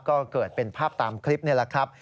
ก็เกิดเป็นภาพตามคลิปนี่แหละครับ